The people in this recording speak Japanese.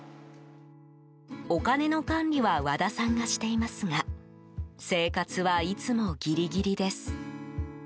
お金の管理は和田さんがしていますが生活はいつもギリギリです。